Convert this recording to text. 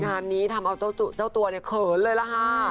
งานนี้ทำเอาเจ้าตัวเนี่ยเขินเลยล่ะค่ะ